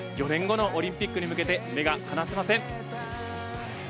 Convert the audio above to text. ４年後のオリンピックに向けて目が離せません。